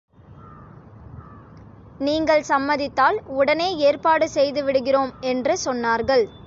நீங்கள் சம்மதித்தால் உடனே ஏற்பாடு செய்து விடுகிறோம் என்று சொன்னார்கள்.